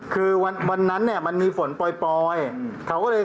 คือวันนั้นมันมีฝนปล่อย